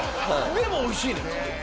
でもおいしいねん